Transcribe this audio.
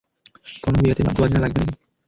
কোনো বিয়েতে বাদ্য বাজানো লাগবে নাকি?